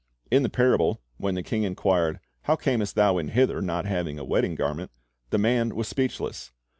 In the parable, when the king inquired, "How camest thou in hither not having a wedding garment?" the man was speechless.